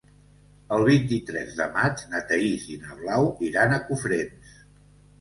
El vint-i-tres de maig na Thaís i na Blau iran a Cofrents.